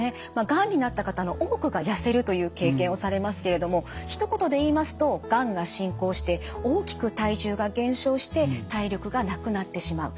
がんになった方の多くがやせるという経験をされますけれどもひと言で言いますとがんが進行して大きく体重が減少して体力がなくなってしまう。